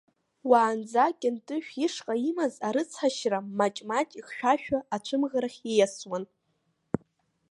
Уаанӡа Кьынтышә ишҟа имаз арыцҳашьара, маҷ-маҷ ихьшәашәо, ацәымӷрахь ииасуан.